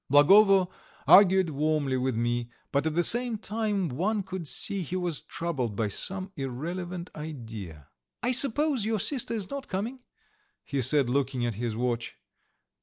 Blagovo argued warmly with me, but at the same time one could see he was troubled by some irrelevant idea. "I suppose your sister is not coming?" he said, looking at his watch.